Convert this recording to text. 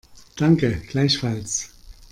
Danke, gleichfalls.